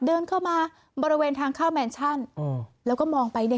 เดินเข้ามาบริเวณทางเข้าแมนชั่นแล้วก็มองไปเนี่ย